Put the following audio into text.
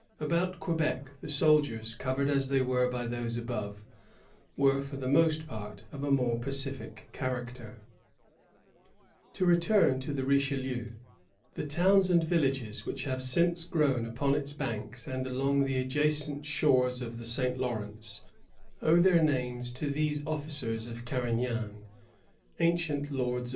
About Quebec the settlements, covered as they were by those above, were for the most part of a more pacific character. To return to the Richelieu. The towns and vil lages which have since grown upon its banks and along the adjacent shores of the St. Lawrence owe their names to these officers of Carignan, ancient 1 Projets de RSglemens, 1667 (see JSdits et Ordonnances, ii.